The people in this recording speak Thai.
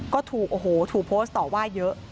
ก็ถูกถูกโพสต์ตอบว่าเยอะ